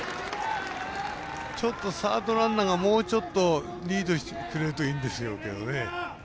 ちょっとサードランナーがもうちょっとリードしてくれるといいんでしょうけどね。